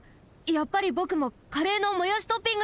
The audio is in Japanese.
やっぱりぼくもカレーのもやしトッピングにする！